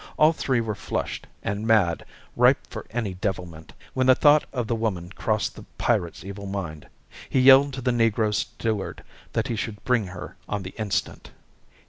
All three were flushed and mad, ripe for any devilment, when the thought of the woman crossed the pirate's evil mind. He yelled to the negro steward that he should bring her on the instant.